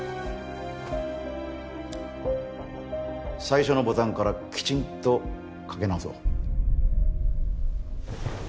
最初のボタンからきちんとかけ直そう。